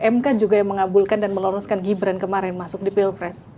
mk juga yang mengabulkan dan meloloskan gibran kemarin masuk di pilpres